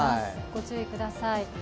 ご注意ください。